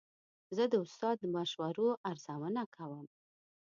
زه د استاد د مشورو ارزونه کوم.